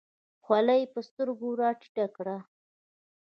خولۍ یې په سترګو راټیټه کړه.